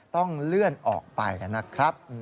ต้องเลื่อนออกไปนะครับ